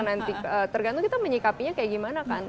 nanti tergantung kita menyikapinya kayak gimana kan